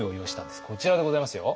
こちらでございますよ。